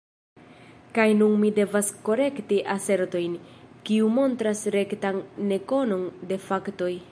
Kaj nun mi devas korekti asertojn, kiuj montras rektan nekonon de faktoj.